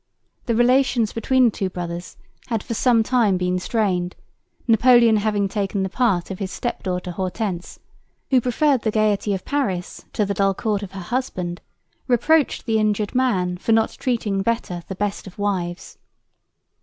The relations between the two brothers had for some time been strained, Napoleon having taken the part of his step daughter Hortense, who preferred the gaiety of Paris to the dull court of her husband, reproached the injured man for not treating better the best of wives.